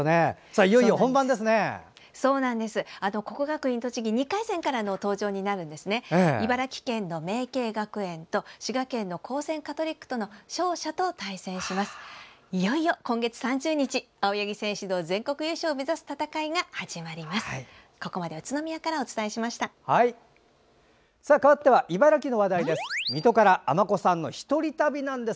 いよいよ今月３０日、青柳選手の全国優勝を目指す戦いが始まります。